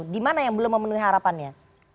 dimana yang belum memenuhi harapannya